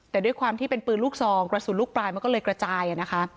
แต่ด้วยความที่เป็นปืนลูกซองกระสุนลูกปลายมันก็เลยกระจายนะคะ